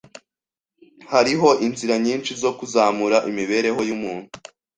Hariho inzira nyinshi zo kuzamura imibereho yumuntu.